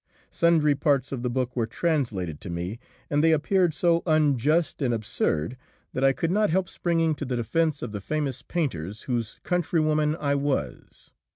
Sundry parts of the book were translated to me, and they appeared so unjust and absurd that I could not help springing to the defense of the famous painters whose countrywoman I was.